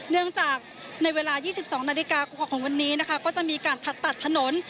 ตั้งจากในเวลา๒๒นาฬิกาของวันนี้ก็จะมีการตัดถนน